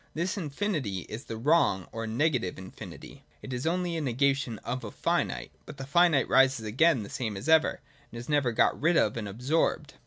94.]tThis Infinity is the wrong or negative infinit}' : it is only a negation of a finite : but the finite rises again the same as ever, and is never got rid of and absorbed.